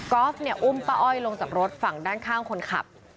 อล์ฟเนี่ยอุ้มป้าอ้อยลงจากรถฝั่งด้านข้างคนขับ